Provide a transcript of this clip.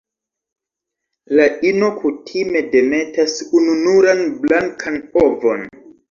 La ino kutime demetas ununuran blankan ovon.